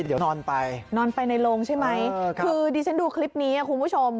เดี๋ยวนอนไปนอนไปในโรงใช่ไหมคือดิฉันดูคลิปนี้คุณผู้ชม